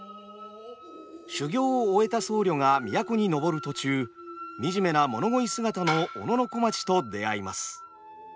修行を終えた僧侶が都に上る途中惨めな物乞い姿の小野小町と出会います。